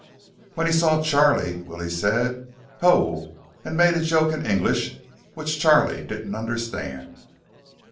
When he saw Charlie, Willie said, "Ho!" and made a joke in English which Charlie didn't understand.